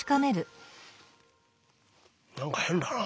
何か変だな。